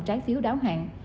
trái phiếu đáo hạn